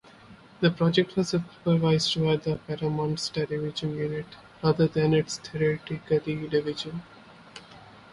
The project was supervised by Paramount's television unit rather than its theatrical division.